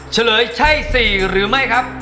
เฉลยใช่๔หรือไม่ครับ